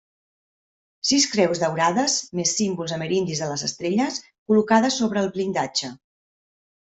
Sis creus daurades, més símbols amerindis de les estrelles, col·locades sobre el blindatge.